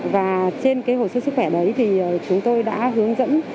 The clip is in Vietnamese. và trên hồ sơ sức khỏe đấy thì chúng tôi đã hướng dẫn